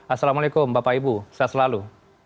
assalamualaikum bapak ibu selalu